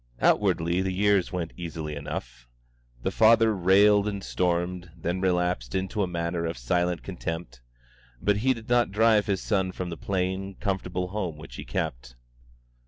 Outwardly the years went easily enough. The father railed and stormed, then relapsed into a manner of silent contempt; but he did not drive his son from the plain, comfortable home which he kept.